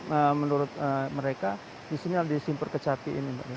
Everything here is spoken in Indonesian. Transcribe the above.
penyakit menurut mereka disini ada di simpur kecapi ini mbak desi